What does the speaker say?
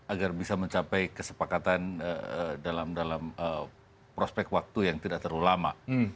agar bisa mencapai kesepakatan dalam prospek waktu yang tidak terlalu lama